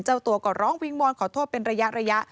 เจ้าตัวก็ร้องวิงวอนขอโทษเป็นระยะ